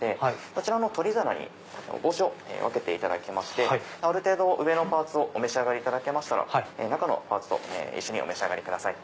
こちらの取り皿に帽子を分けていただきましてある程度上のパーツをお召し上がりいただけましたら中のパーツと一緒にお召し上がりください。